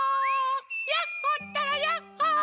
ヤッホったらヤッホー！